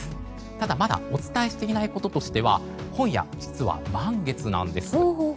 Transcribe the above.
ただ、まだお伝えしていないこととしては今夜、実は満月なんです。